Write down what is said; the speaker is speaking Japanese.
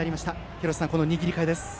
廣瀬さん、林の握り替え。